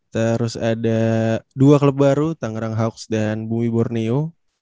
terus ada dua klub baru tangerang hoaks dan bumi borneo